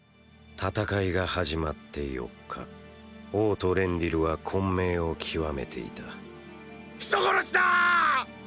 戦いが始まって４日王都レンリルは混迷を極めていた人殺しだァー！！